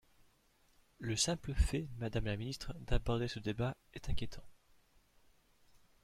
Le simple fait, madame la ministre, d’aborder ce débat est inquiétant.